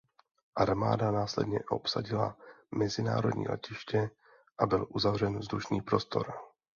Armáda následně obsadila mezinárodní letiště a byl uzavřen vzdušný prostor.